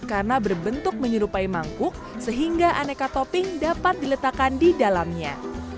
karena berbentuk menyerupai mangkuk sehingga aneka topping dapat diletakkan di dalamnya